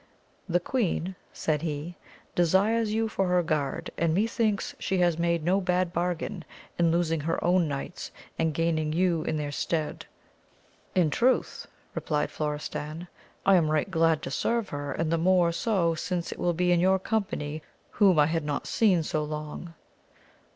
The queen, said he, desires you for her guard, and methinks she has made no bad bargain in losing her own knights and gaining you in their stead. In truth, replied Florestan, I am right glad to serve her, and the more so since it will be in your company, whom I had not seen so long.